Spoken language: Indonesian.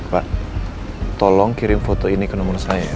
pak tolong kirim foto ini ke nomor saya ya pak ya